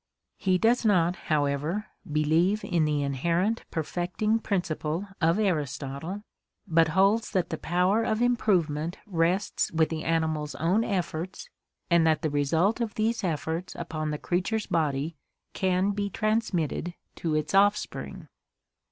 He does not, however, believe in the inherent perfecting principle of Aristotle but holds that the power of im provement rests with the animal's own efforts and that the result of these efforts upon the creature's body can be transmitted to its offspring.